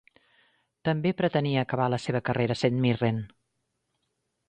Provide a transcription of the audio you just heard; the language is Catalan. També pretenia acabar la seva carrera a St Mirren.